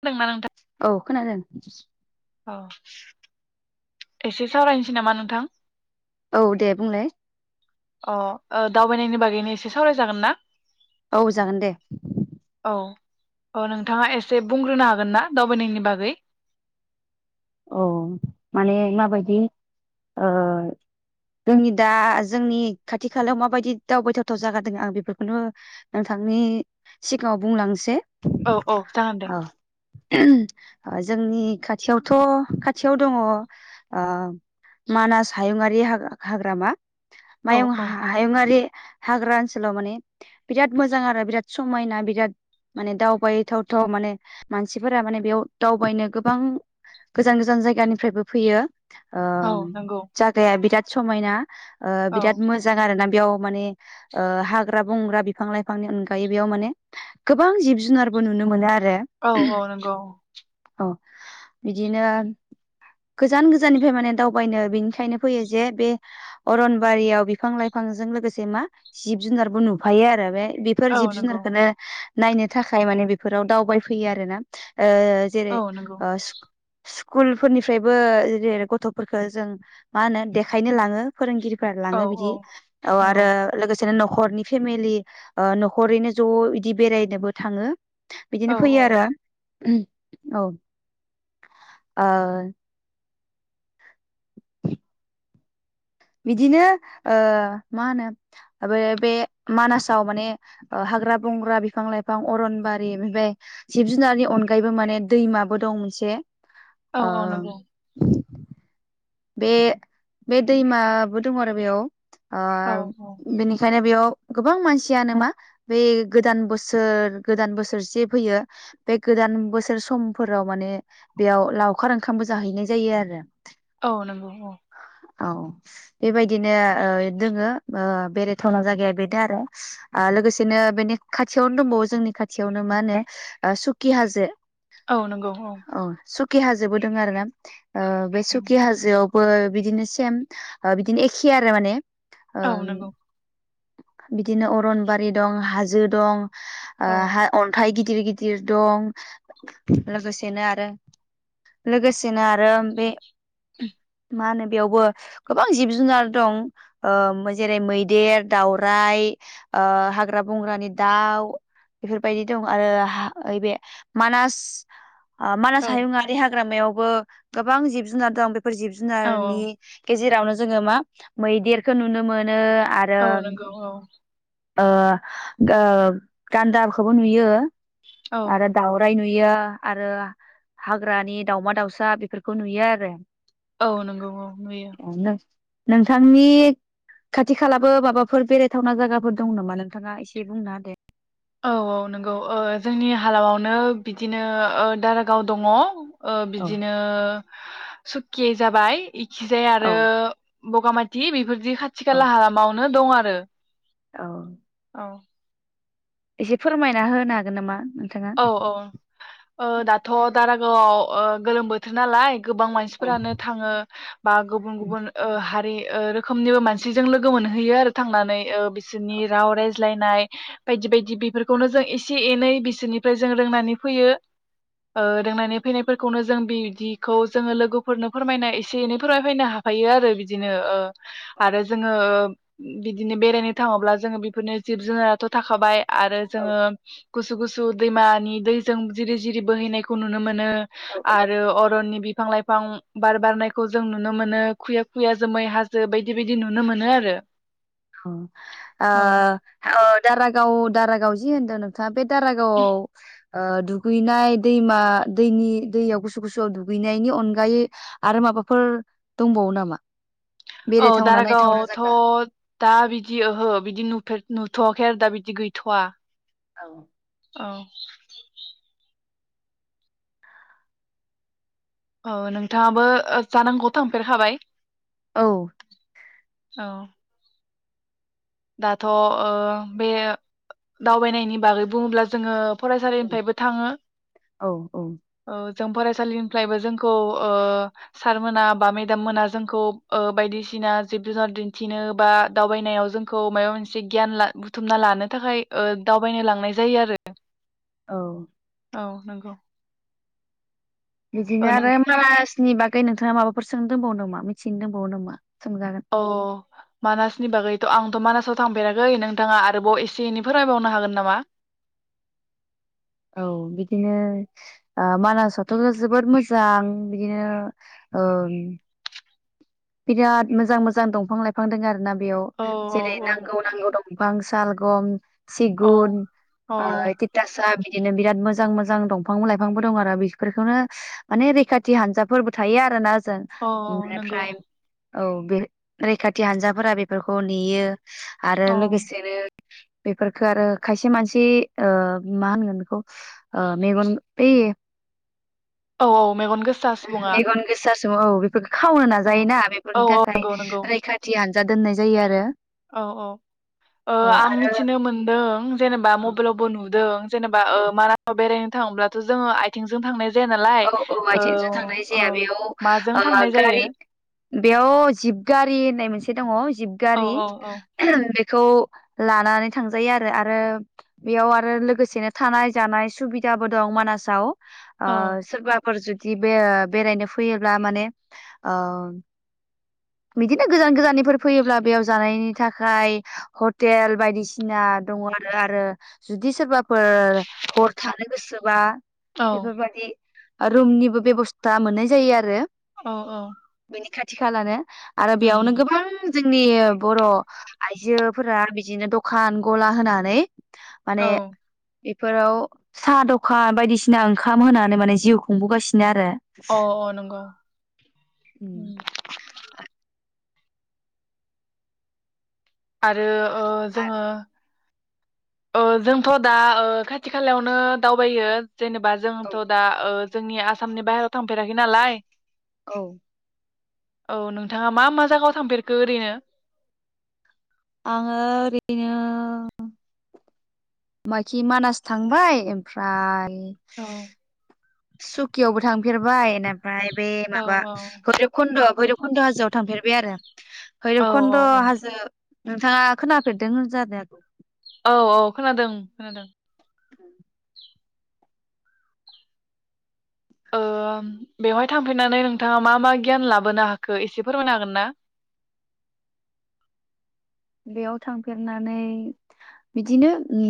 खोनादोंना नोंथां? औ खोनादों। औ एसे सावरायनोसै नामा नोंथां? औ दे बुंलाय। अ दावबायनायनि बागैनो एसे सावराय जागोन ना? औ जागोन दे। अ नोंथाङा एसे बुंग्रोनो हागोन ना दावबायनायनि बागै? अऔ माने माबायदि जोंनि दा जोंनि खाथि खालायाव माबायदि दावबायथावथाव जागा द आं बेफोरखौनो नोंथांनि सिगाङाव बुंलांसै। औ। जोंनि खाथियाव थ' खाथियाव दङ मानास हायुंङारि हाग्रामा। औ मायुं औ हायुंङारि हाग्रा ओनसोलाव माने बिराद मोजां आरो बिराद समायना बिराद माने दावबायथावथाव माने मानसिफोरा माने बेयाव दावबायनो गोबां गोजान गोजान जायगानिफ्रायबो फैयो। ओ औ नंगौ जागाया बिराद समायना औ बिराद मोजां आरो ना बेयाव माने हाग्रा बंग्रा, बिफां लाइफांनि अनगायै बेयाव माने गोबां जिब जुनारबो नुनो मोनो आरो। औ औ नंगौ। औ। बिदिनो गोजान गोजाननिफ्राय माने दावबायनो बेनिखायनो फैयो जे बे अरनबारियाव बिफां लाइफांजों लोगोसे मा जिब जुनारबो नुफायो आरो बे बेफोर औ जिब नंगौ जुनारखौनो नायनो थाखाय माने बेफोराव दावबायफैयो आरो ना। ओ जेरै औ नंगौ ओ स्कुल फोरनिफ्रायबो जेरै गथ'फोरखौ जों मा होनो देखायनो लाङो फोरोंगिरि फोर औ लाङो बिदि, औ औ नंगौ आरो लोगो सेनो न'खरनि फेमिलि ओ न'खरैनो ज' बिदि बेरायनोबो थाङो। औ बिदिनो फैयो आरो। उम औ। ओ। बिदिनो ओ मा होनो आं बे बे मानासाव माने ओ हाग्रा बंग्रा, बिफां लाइफां अरनबारि ओमफ्राय जिब जुनारनि अनगायैबो माने दैमाबो दं मोनसे। औ औ ओं। नंगौ बे बे दैमाबो दङ आरो बेयाव अ औ औ बिनिखायनो बेयाव गोबां मानसियानो मा बे गोदान बोसोर गोदान बोसोरसे फैयो। बे गोदान बोसोर समफोराव माने बेयाव लावखार ओंखामबो जाहैनाय जायो आरो। औ नंगौ औ औ बेबायदिनो ओ दोङो बेरायथावना जायगाया बेनो आरो लोगोसेनो बेनि खाथियावनो दंबावो जोंनि खाथियावनो मा होनो सुकि हाजो। औ नोंगौ औ सुकि हाजोबो दों आरो ना ओ बे सुखि हाजो यावबो बिदिनो सेम ओ बिदिनो एखे आरो माने औ ओं नंगौ बिदिनो अरनबारि दं हाजो दं। ओ औ हा अन्थाय गि दिर गिदिर दं लोगोसेनो आरो लोगोसेनो आरो बे मा होनो बेयावबो गोबां जिब जुनार दं। ओ जेरै मैदेर, दावराइ, ओ हाग्रा-बंग्रानि दाउ बेफोरबायदि दं आरो हा ओइबे मानास ओ औ मानास हायुंङारि हाग्रामायाव बो गोबां-जिब जुनार दं। औ जिब-जुनारनि गेजेरावनो जोङो मा मैदेरखौ नुनो मोनो। आरो औ नोंगौ औ ओ ओ गान्दाखौबो नुयो औ आरो दावराय नु यो आरो हाग्रानि दाउमा-दाउसा बेफोरखौ नुयो आरो। औ नोंगौ औ नुयो। नोंथांनि खाथि खालाबो माबाफोर बेरायथावना जायगाफोर दं नामा? नोंथाङा एसे बुंना होदो औ औ नंगौ ओ जोंनि हालामावनो बिदिनो ओ दारागाव दङ। ओ औ बिदिनो सकिये जाबाय इखिजाय औ आरो बगामाथि बेफोर जि खाथि औ खाला हालामाव नो दं आरो औ औ एसे फोरमायना होनो हागोन नामा? नोंथाङा औ औ ओ दाथ' दारागावआव ओ गोलोम बोथोर नालाय गोबां औ मानसिफोरानो थाङो बा गुबुन औ गुबुन ओ हाद लै ओ रोखोमनिबो मानसिजों लोगो मोनहैयो आरो थांनानै ओ बि सिननि रावा रायज ज्लायनाय बायदि बायदि बेफोरखौनो जों एसे एनै बिसोरनि फ्राय जों रोंनानै फैयो ओ रोंनानै फैनायफोरखौनो जों बिदिखौ जोङो लोगोफोरनो फोरमायना एसे एनै फोरमायफैनो हाफैयो आरो बिदिनो ओ आरो जोङो ओ बिदिनो बेरायनो थाङोब्ला जोङो बेफोरनो जिब जुनाराथ' थाखाबाय आरो औ जोङो गुसु गुसु दैमानि दैजों जिरि जिरि बोहैनायखौ नुनो मो नो औ ओ आरो अरननि बि फां लाइफां बार बारनायखौ जों नुनो मोनो खुइया खुइया जोमै हाजो बायदि बायदि नुनो मोनो आरो। अ ओ औ अ दारागाव दारागाव जि होनदों नोंथाङा बे दारागावाव ओ दुगैनाय दैमा दैनि दैयाव गुसु गुसुआव दुगैनायनि अनगायै आरो माबाफोर दंबावो नामा? औ बेरायथावना नायथावना जायगा दारागावआवथ' दा बि दि ओहो बिदि नुफेर नुथ'वाखै आरो दा बिदि गैथ'वा औ औ औ नोंथाङाबो ओ जानांगौ थांफेरखाबाय? औ औ दाथ' ओ बे दावबायनायनि बागै बुङोब्ला जोङो फरायसालिनिफ्रायबो थाङो औ औ ओ जों फरायसालिनिफ्रायबो जोंखौ ओ सारमोना बा मेडाम मोना जोंखौ ओ बायदिसिना जिब जुनार दिन्थिनो बा दावबायनायाव जों खौ मायबा मोनसे गियान ला बुथुमना लानो थाखाय ओ दावबायनो लांनाय जायो आरो औ औ नोंगौ। बिदिनो आरो मार [unintelligible] मानासनि बागै नोंथाङा माबाफोर सोंनो दोंबावनो नामा मिथिनो दोंबावो नामा? सोंजागोन अ मानासनि बागै आंथ' मानासाव थांफेराखै नोंथाङा आरोबाव एसे एनै फोरमायबावनो हागोन नामा? औ बिदिनो ओ मानासावथ' जोबोद मोजां बिदिनो ओ बिराद मोजां मोजां दंफां लाइफां दों आरो ना बेयाव औ जेरै नांगौ औ नांगौ दं फां सालगम औ सिगुन औ ओ तिथासा बिदिनो बिराद मोजां मोजां दंफां लाइफांबो दं आरो बिफोरखौनो माने रैखाथि हानजाफोरबो थायो आरो ना औ नंगौ मनिफ्राय [inaudible] औ बे रैखाथि हानजाफोरा बेफोरखौ नेयो आरो औ लोगोसे नो बेफोरफोरखो आरो खायसे मानसि ओ मा होनगोन बेखौ ओ मेगन बै औ औ मेगन गोसा सुबुङा मेगन गोसा औ [inaudible] खो खावनो औ नाजायोना औ फोरनि औ थाखाय नंगौ नंगौ रैखाथि हानजा दोननाय जायो आरो औ औ ओ औ आं आरो मिथिनो मोनदों जेनेबा मबेलावबो नुदों जेनेबा औ मा [inaudible] न बेरायनो थाङोबब्लाथ' जोङो आइथिंजों थांनाय जाया नालाय औ औ आइथेंजों थांनाय औ जाया बेयाव माजों ओ थांनाय जायो गारि बेयाव जिप गारि होननाय मोनसे दङ औ जिपगारि औ बे खौ लानानै थांजायो आरो आरो बेयाव आरो लोगोसेनो थानाय जानाय सुबिदाबो दं मानासाव ओ औ फोर जुदि बे बेरायनो फैयोब्ला माने ओ बिदिनो गोजान गोजाननिफोर फैयोब्ला बेयाव जानायनि थाखाय हटेल बायदिसिना दङ आरो आरो जुदि सोरबाफोर हर थानो गोसोबा औ बेफोरबादि रुमनिबो बेबस्था मोननाय जायो आरो औ औ नि खाथि खालानो आरो बेयावनो उम गोबां जोंनि बर' आइजोफोरा बिदिनो दखान गला होनानै माने औ बेफोराव साहा दखान बायदिसिना ओंखाम होनानै माने जिउ खुंबोगासिनो आरो अ अ नंगौ आरो ओ जोङो ओ जोंथ' दा खाथि खालायावनो दावबायो जेनोबा औ जोंथ' दा ओ जोंनि आसामनि बाहेराव थांफेराखै नालाय औ औ नोंथाङा मा मा जायगायाव थांफेरखो ओरैनो आङो ओरैनो माखि मानास थांबाय ओमफ्राय [inaudible] औ सुकियावबो थांफेरबाय फ्राय बे औ माबा भैरब खुन्द भैरब पन्द हाजोआव थांफेरबाय आरो औ भैरब खन्द औ औ हाजो नोंथाङा खोनाफेरदों [unintelligible] औ औ खोनादों खोनादों औ ओ बेवहाय थांफैनानै नोंथाङा मा मा गियान लाबोनो हाखो एसे फोरमायनो हागोन ना बेयाव थांफेरनानै बिदिनो ओ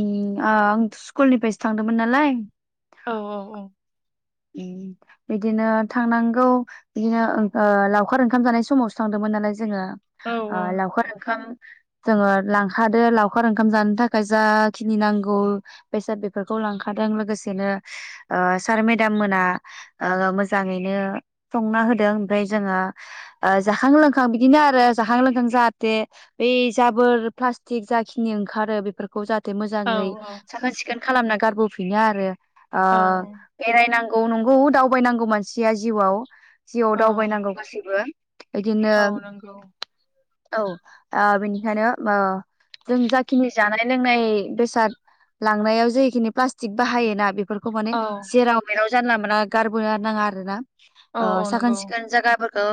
आं स्कुलनिफ्रायसो थांदोंमोन नालाय औ औ औ उम बिदिनो थांनांगौ बिदिनो ओ लावखार ओंखाम जानाय समावसो थांदोंमोन नालाय जोङो औ ओ लावखार ओंखाम जोङो लांखादो लावखार ओंखाम जानो थाखाय जाखिनि नांगौ बेसाद बेफोरखौ लांखादों लोगोसेनो सारमेत दाम मोना मोजाङैनो संना होदों ओमफ्राय जोङो जाखां लोंखां बिदिनो आरो जाखां लोंखां जाहाथे बै जाबोर प्लाटिक जाखिनि ओंखारो बेफोरखौ जाह थे औ मोजाङै साखोन सिखोन खालामना गारबोफिनो आरो औ ओ नांगौ नंगौ दावबायनांगौ मानसिया जिउआव जिउआव दावबायनांगौ गासैबो बिदिनो औ नंगौ औ ओ बेनिखायनो ओ जों जाखिनि जानाय लोंनाय बेसाद लांनायाव जेखिनि प्लास्टिक बाहायोना बे फोरखौ माने औ [unintelligible] जानला मानना गारबो नाङा आरो ना औ औ साखोन नंगौ सिखोन जायगाफोरखौ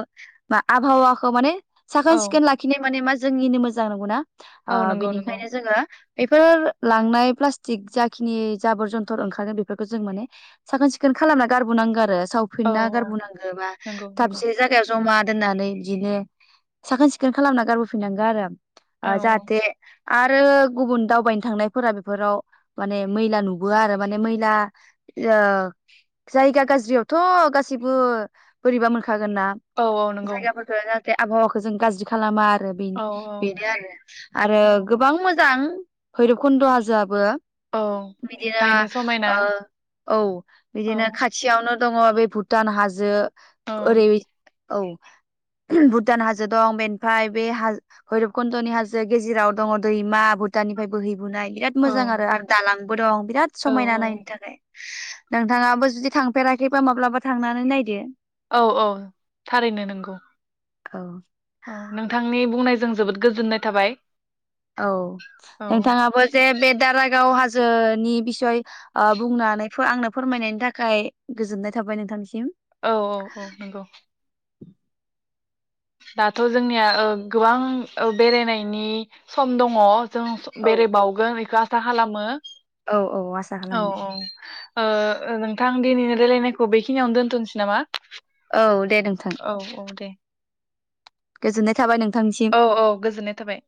बा आबहावाखौ माने साखोन औ सिखोन लाखिनाय माने मान जोंनिनो मोजां नंगौ ना औ नंगौ नंगौ बिनिखायनो जोङो बेफोर लांनाय प्लास्टिक जाखिनि जाबोर जन्थर ओंखारगोन बेफोरखौ जों माने साखोन सिखोन खालामना गारबोनांगौ आरो औ सावफिनना औ गारबोनांगौ बा नंगौ नंगौ थाबसे जायगायाव जमा दोननानै बिदिनो साखोन सिखोन खालामना गारबोफिनांगौ आरो औ ओ जाहाथे आरो गुबुन दावबायनो थांनायफोरा बेफोराव माने मैला नुबोआ आरो माने मैला जाग जायगा गाज्रियावथ' गासैबो बोरैबा मोन खागोन ना औ औ नंगौ जायगाफोरखौ बे आबहावाखौ जों गाज्रि खालामा। आरो बिन औ बेनो आरो आरो औ गोबां मोजां। भैरबकन्द हाजोआबो औ बिदिनो नायनो समायना ओ औ औ बिदिनो खाथियाव नो दङ बे भुटान हाजो। औ ओरै औ भुटान हाजो दं बेनिफ्राय बे हाज भैरबकन्दनि हाजो गेजेराव दङ दैमा भुटाननिफ्राय बोहै बुनाय बिराद मोजां औ आरो आरो दालांबो दं बिराद समायना नायनो औ थाखाय। नोंथाङाबो जुदि थांफेराखैबा माब्लाबा थांनानै नायदो। औ औ थारैनो नंगौ। औ। औ नोंथांनि बुंनायजों जोबोद गोजोननाय थाबाय। औ औ नोंथाङाबो जे बे दारागाव हा जोनि बिसय ओ बुंनानै फोआंनो फोरमायनायनि थाखाय गोजोननाय थाबाय नोंथांनिसिम। औ औ औ नंगौ। दाथ' जोंनिया ओ गोबां बेरायनायनि सम दङ। जों औ बेरायबावगोन बेखो आसा खालामो। औ औ ओ ओ नोंथां? आं दिनैनि रायलायनायखौ बेखिनियाव दोनथ'नोसै नामा? औ दे नोंथां। औ औ दे गोजोननाय थाबाय नों औ औ गोजोननाय थाबाय।